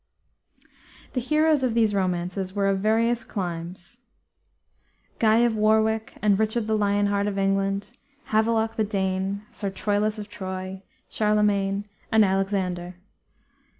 The heroes of these romances were of various climes: Guy of Warwick, and Richard the Lion Heart of England, Havelok the Dane, Sir Troilus of Troy, Charlemagne, and Alexander.